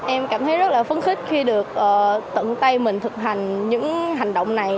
em cảm thấy rất là phấn khích khi được tận tay mình thực hành những hành động này